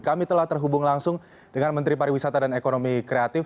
kami telah terhubung langsung dengan menteri pariwisata dan ekonomi kreatif